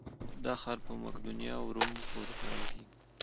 دا ښار په مقدونیه او روم پورې تړل کېږي.